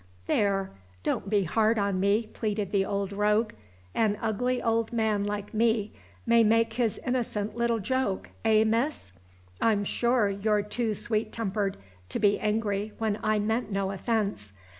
there! don't be hard on me," pleaded the old rogue. "An ugly old man like me may make his innocent little joke eh, miss? I'm sure you're too sweet tempered to be angry when I meant no offense..